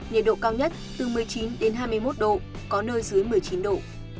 nhiệt độ cao nhất từ một mươi chín đến hai mươi một độ có nơi dưới một mươi chín độ